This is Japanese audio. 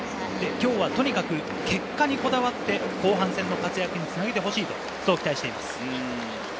今日はとにかく結果にこだわって、後半戦の活躍につなげてほしいと高橋に期待しています。